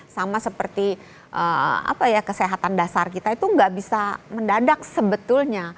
sama seperti kesehatan dasar kita itu nggak bisa mendadak sebetulnya